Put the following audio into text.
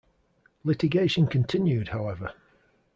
Litigation continued, however.